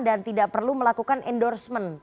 dan tidak perlu melakukan endorsement